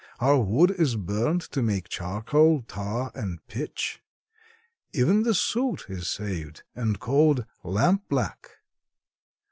Our wood is burned to make charcoal, tar and pitch. Even the soot is saved, and called lampblack.